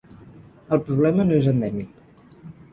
El problema no és endèmic.